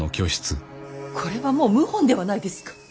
これはもう謀反ではないですか。